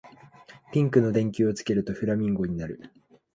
ピンクの電球をつけるとフラミンゴになる